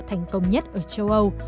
thành công nhất ở châu âu